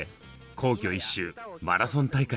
皇居一周マラソン大会。